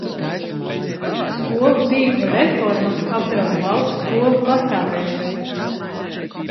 Skolu tīkla reforma apdraud lauku skolu pastāvēšanu.